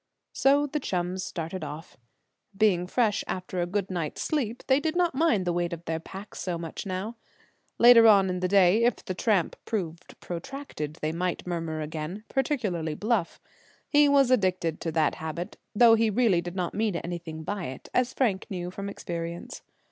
So the chums started off. Being fresh after a good night's sleep, they did not mind the weight of their packs so much now. Later on in the day, if the tramp proved protracted, they might murmur again, particularly Bluff. He was addicted to that habit, though he really did not mean anything by it, as Frank knew from experience.